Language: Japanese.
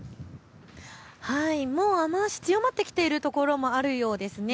もう雨足、強まってきているところもあるようです。